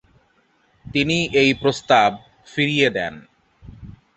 তিনি এই প্রস্তাব ফিরিয়ে দেন।